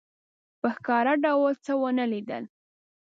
په ښکاره ډول څه ونه لیدل.